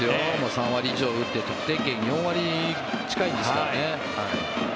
３割以上打って得点圏４割近いんですよね。